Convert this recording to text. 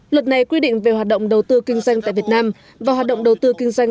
luật này quy định về hoạt động đầu tư kinh doanh tại việt nam và hoạt động đầu tư kinh doanh